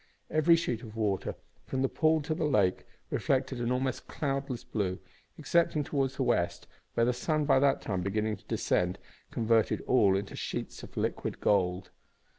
Every sheet of water, from the pool to the lake, reflected an almost cloudless blue, excepting towards the west, where the sun, by that time beginning to descend, converted all into sheets of liquid gold.